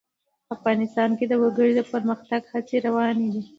افغانستان کې د وګړي د پرمختګ هڅې روانې دي.